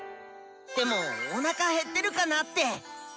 でもおなか減ってるかなって。